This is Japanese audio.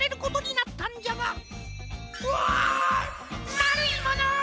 まるいもの！